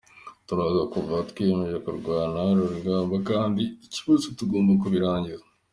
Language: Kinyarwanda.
Turaza kuva aha twiyemeje kurwana uru rugamba kandi ibibazo tugomba kubirangiza.